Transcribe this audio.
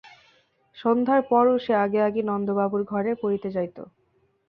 সন্ধ্যার পরও সে আগে আগে নন্দবাবুর ঘরে পড়িতে যাইত।